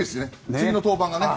次の登板が。